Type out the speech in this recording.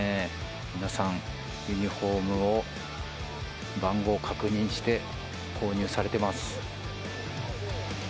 皆さん、ユニホームを番号確認して、購入されています。